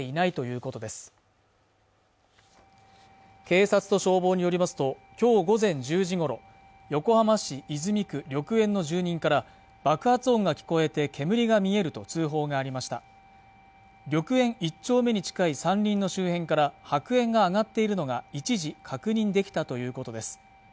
警察と消防によりますときょう午前１０時ごろ横浜市泉区緑園の住人から爆発音が聞こえて煙が見えると通報がありました緑園１丁目に近い山林の周辺から白煙が上がっているのが一時確認できたということです